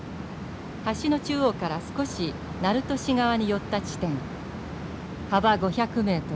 橋の中央から少し鳴門市側に寄った地点幅５００ｍ